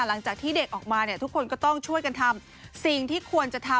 หลังจากที่เด็กออกมาเนี่ยทุกคนก็ต้องช่วยกันทำสิ่งที่ควรจะทำ